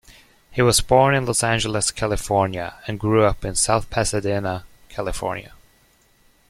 He was born in Los Angeles, California and grew up in South Pasadena, California.